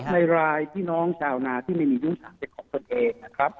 ในรายพี่น้องชาวนาที่ไม่มียุ้งฉางเป็นของตนเองนะครับ